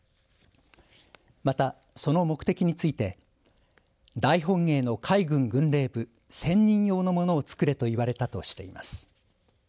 また、その目的について大本営の海軍軍令部１０００人用のものをつくれと言われたとしています。